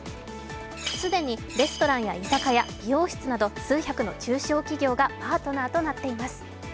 既にレストランや居酒屋、美容室など数百の中小企業がパートナーとなっています。